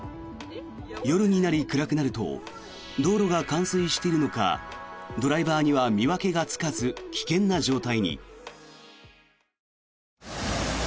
夜になり、暗くなると道路が冠水しているのかドライバーには見分けがつかず危険な状態に。